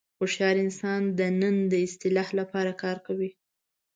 هوښیار انسان د نن د اصلاح لپاره کار کوي.